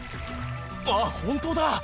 あっ、本当だ。